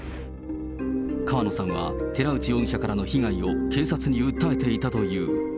川野さんは寺内容疑者からの被害を警察に訴えていたという。